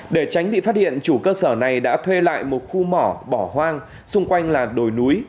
để tránh bị phát hiện chủ cơ sở này đã thuê lại một khu mỏ bỏ hoang xung quanh là đồi núi